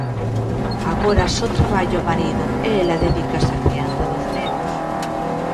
Agora só traballa o marido e ela dedícase á crianza dos nenos.